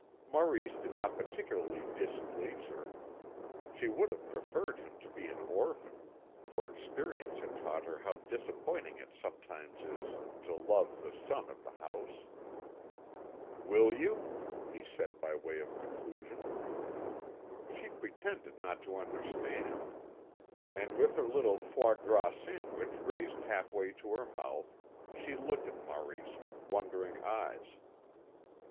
Maurice did not particularly displease her. She would have preferred him to be an orphan, for experience had taught her how disappointing it sometimes is to love the son of the house. "Will you?" he said by way of conclusion. She pretended not to understand, and with her little foie gras sandwich raised half way to her mouth she looked at Maurice with wondering eyes.